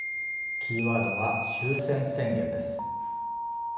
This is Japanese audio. キーワードは終戦宣言です。